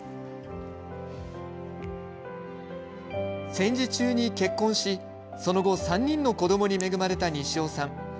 戦時中に結婚し、その後３人の子どもに恵まれた西尾さん。